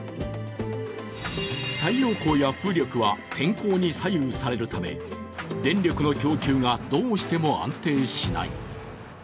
太陽光や風力は天候に左右されるため電力の供給がどうしても安定しない。